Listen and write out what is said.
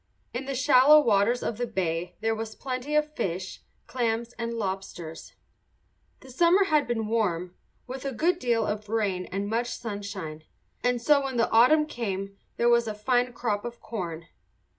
In the shallow waters of the bay there was plenty of fish, clams, and lobsters. The summer had been warm, with a good deal of rain and much sunshine; and so when the autumn came there was a fine crop of corn.